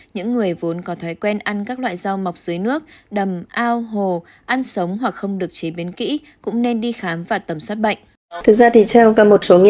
những người vốn có thói quen ăn các loại rau mọc dưới nước đầm ao hồ ăn sống hoặc không được chế biến kỹ cũng nên đi khám và tầm soát bệnh